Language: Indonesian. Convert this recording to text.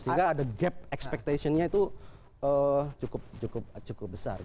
sehingga ada gap expectationnya itu cukup besar